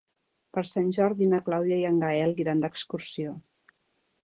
Per Sant Jordi na Clàudia i en Gaël iran d'excursió.